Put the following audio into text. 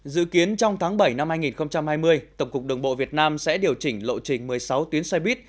dự kiến trong tháng bảy năm hai nghìn hai mươi tổng cục đường bộ việt nam sẽ điều chỉnh lộ trình một mươi sáu tuyến xe buýt